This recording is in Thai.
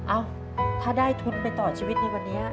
เอ้าถ้าได้ทุนไปต่อชีวิตในวันนี้